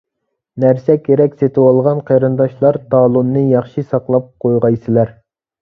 نەرسە-كېرەك سېتىۋالغان قېرىنداشلار، تالوننى ياخشى ساقلاپ قويغايسىلەر.